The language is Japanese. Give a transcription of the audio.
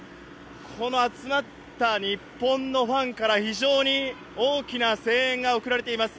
この集まった日本のファンから、非常に大きな声援が送られています。